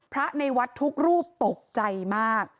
พระในวัดทุกรูปตกใจมาก